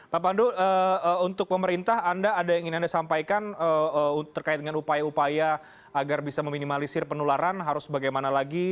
pak pandu untuk pemerintah anda ada yang ingin anda sampaikan terkait dengan upaya upaya agar bisa meminimalisir penularan harus bagaimana lagi